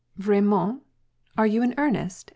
121 " Vraiment ? Are you in earnest ?